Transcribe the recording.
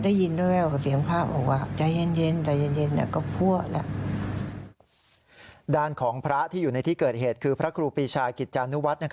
ด้านของพระที่อยู่ในที่เกิดเหตุคือพระครูปีชากิจจานุวัฒน์